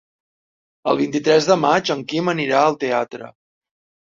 El vint-i-tres de maig en Quim anirà al teatre.